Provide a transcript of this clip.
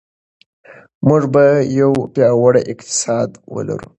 موږ به یو پیاوړی اقتصاد ولرو.